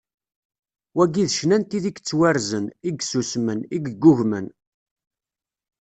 Wagi d ccna n tid i yettwarzen, i yessusmen, i yeggugmen.